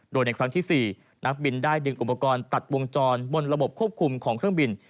โดยในครั้งที่๔นักบินได้ดึงอุปกรณ์ตัดวงจรบนระบบควบคุมของเครื่องบิน